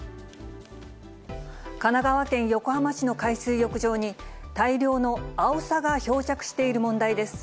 神奈川県横浜市の海水浴場に、大量のアオサが漂着している問題です。